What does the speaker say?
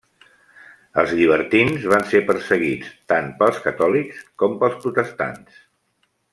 Els llibertins van ser perseguits tant pels catòlics com pels protestants.